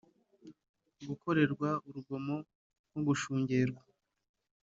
gukorerwa urugomo nko gushungerwa